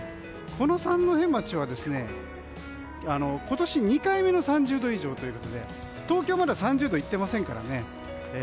この三戸町は、今年２回目の３０度以上ということで東京まだ３０度にいっていませんからね。